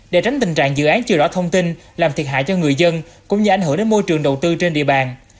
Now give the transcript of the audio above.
để tránh tình trạng dự án chưa rõ thông tin làm thiệt hại cho người dân cũng như ảnh hưởng đến môi trường đầu tư trên địa bàn